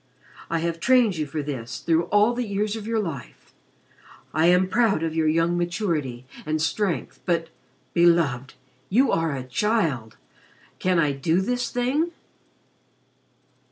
I have trained you for this through all the years of your life. I am proud of your young maturity and strength but Beloved you are a child! Can I do this thing!"